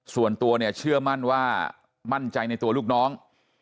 ส่วนตัวเนี่ยเชื่อมั่นว่ามั่นใจในตัวลูกน้อง